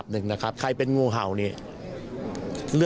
คุณสิริกัญญาบอกว่า๖๔เสียง